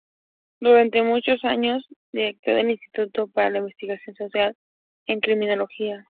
Durante muchos años fue director del "Instituto para la Investigación Social en Criminología".